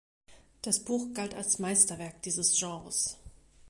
Das Buch gilt als ein Meisterwerk dieses Genres.